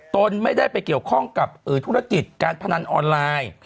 ตนไม่ได้ไปเกี่ยวข้องกับธุรกิจการพนันออนไลน์